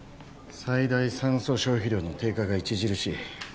最大酸素消費量の低下が著しい